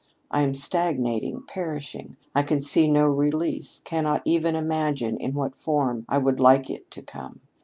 I am stagnating, perishing. I can see no release cannot even imagine in what form I would like it to come.